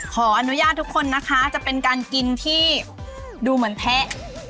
ขออนุญาตทุกคนนะคะจะเป็นการกินที่ดูเหมือนแทะ